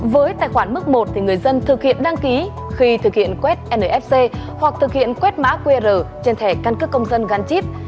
với tài khoản mức một thì người dân thực hiện đăng ký khi thực hiện quét nfc hoặc thực hiện quét mã qr trên thẻ căn cước công dân gắn chip